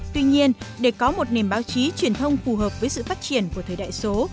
tuy nhiên để có một nền báo chí truyền thông phù hợp với sự phát triển của thời đại số